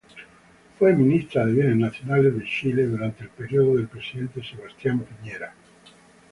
Fue Ministra de Bienes Nacionales de Chile durante el periodo del presidente Sebastián Piñera.